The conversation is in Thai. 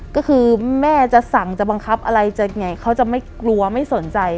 ก็คือแม่จะสั่งจะบังคับอะไรจะไงเขาจะไม่กลัวไม่สนใจ